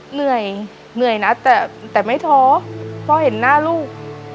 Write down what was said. เหนื่อยเหนื่อยนะแต่ไม่ท้อเพราะเห็นหน้าลูก